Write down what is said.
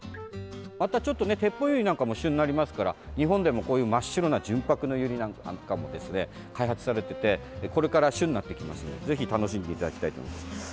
またテッポウユリなんかも旬になりますから日本でも真っ白な純白のユリが開発されていてこれから旬になっていくのでぜひ楽しんでいただきたいと思います。